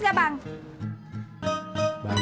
kalau yang ini bang